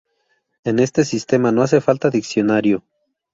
En este sistema no hace falta diccionario.